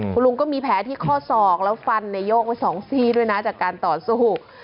คุณลุงก็มีแผลที่ข้อศอกแล้วฟันโยกไว้๒ซี่ด้วยนะจากการต่อสู้